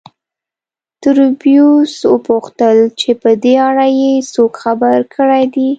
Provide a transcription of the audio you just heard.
تبریوس وپوښتل چې په دې اړه یې څوک خبر کړي دي